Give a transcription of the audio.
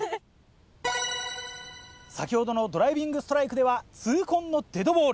先ほどのドライビングストライクでは痛恨のデッドボール。